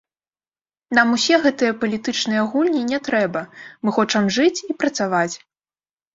Нам усе гэтыя палітычныя гульні не трэба, мы хочам жыць і працаваць.